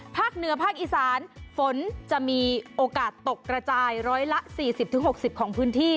ภาคเหนือภาคอีสานฝนจะมีโอกาสตกกระจายร้อยละสี่สิบถึงหกสิบของพื้นที่